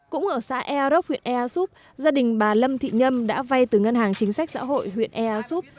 cũng ở xã ea rốc huyện ea súp gia đình bà lâm thị nhâm đã vay từ ngân hàng chính sách xã hội huyện ea súp